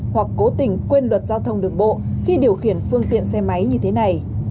hoặc cố tình quên luật giao thông đường bộ khi điều khiển phương tiện xe máy như thế này